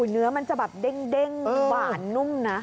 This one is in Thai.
เนื้อมันจะแบบเด้งหวานนุ่มนะ